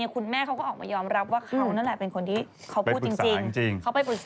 เขาไปปรึกษาเรื่องนี้จริง